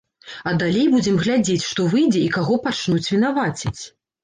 А далей будзем глядзець, што выйдзе і каго пачнуць вінаваціць.